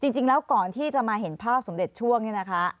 จริงแล้วก่อนที่จะมาเห็นภาพสมเด็จช่วงเนี่ยนะคะ